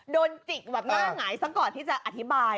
โดนติดแบบหน้าไหงสักก่อนที่จะอธิบาย